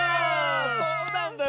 そうなんだよ。